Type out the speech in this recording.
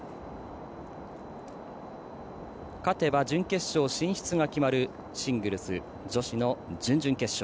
勝てば準決勝進出が決まるシングルス女子の準々決勝。